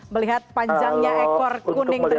melihat panjangnya ekor kuning tersebut